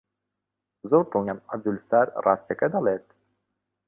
زۆر دڵنیام عەبدولستار ڕاستییەکە دەڵێت.